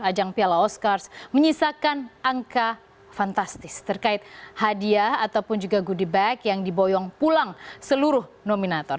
ajang piala oscars menyisakan angka fantastis terkait hadiah ataupun juga goodie bag yang diboyong pulang seluruh nominator